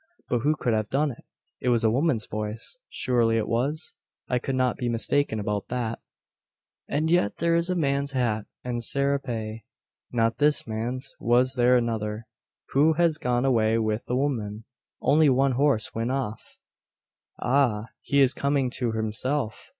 But who could have done it? It was a woman's voice. Surely it was? I could not be mistaken about that. "And yet there is a man's hat, and a serape, not this man's! Was there another, who has gone away with the woman? Only one horse went off. "Ah! he is coming to himself!